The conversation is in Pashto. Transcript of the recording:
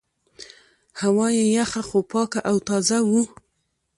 هوا یې یخه خو پاکه او تازه وه.